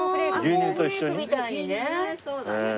コーンフレークみたいにね。